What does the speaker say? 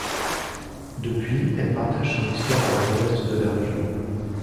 Depuis elle partage son histoire avec le reste de la région.